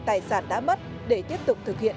tài sản đã mất để tiếp tục thực hiện